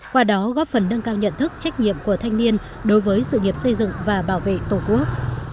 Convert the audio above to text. qua đó góp phần nâng cao nhận thức trách nhiệm của thanh niên đối với sự nghiệp xây dựng và bảo vệ tổ quốc